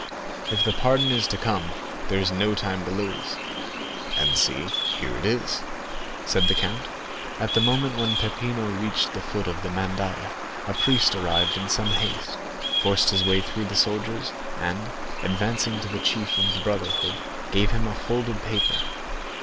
"If the pardon is to come, there is no time to lose." "And see, here it is," said the count. At the moment when Peppino reached the foot of the mandaïa, a priest arrived in some haste, forced his way through the soldiers, and, advancing to the chief of the brotherhood, gave him a folded paper.